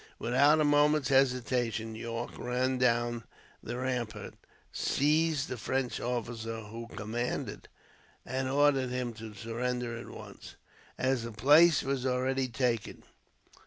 Without a moment's hesitation, Yorke ran down the rampart, seized the French officer who commanded, and ordered him to surrender at once, as the place was already taken.